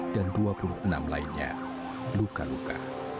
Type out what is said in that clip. dan dua puluh enam lainnya luka luka